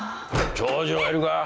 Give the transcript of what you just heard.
長女はいるか？